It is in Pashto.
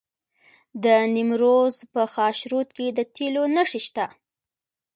د نیمروز په خاشرود کې د تیلو نښې شته.